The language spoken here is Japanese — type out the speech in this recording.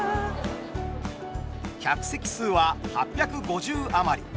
客席数は８５０余り。